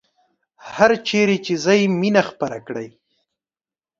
هرچیرې چې ځئ مینه خپره کړئ